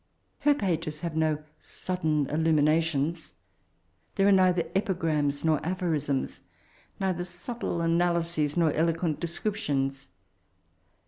Her pages have no sudden illuminations. There are neither epigrams nor aphorisms, neither subtle analyses nor eloquent descriptions.